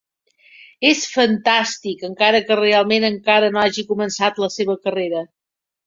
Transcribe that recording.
És fantàstic encara que realment encara no hagi començat la seva carrera.